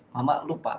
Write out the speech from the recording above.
mama lu pak